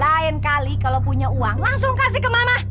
lain kali kalau punya uang langsung kasih ke mama